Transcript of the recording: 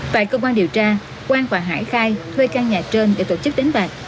tại công an điều tra quang và hải khai thuê căn nhà trên để tổ chức đánh bạc